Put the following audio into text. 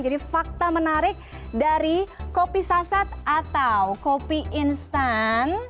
jadi fakta menarik dari kopi saset atau kopi instan